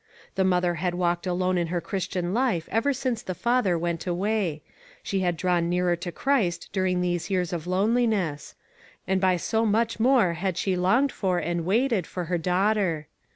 The mother had walked alone in her Christian life ever since the father went away. She had drawn nearer to Christ during these years of loneliness ; and by so much more had she longed for, and waited 4O2 ONE COMMONPLACE DAY. for her daughter.